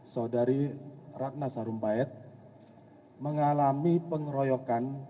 saudari ratna sarumpait mengalami pengeroyokan